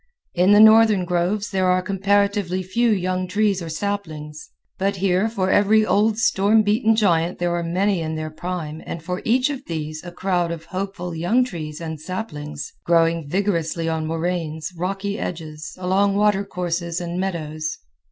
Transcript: In the northern groves there are comparatively few young trees or saplings. But here for every old storm beaten giant there are many in their prime and for each of these a crowd of hopeful young trees and saplings, growing vigorously on moraines, rocky edges, along water courses and meadows.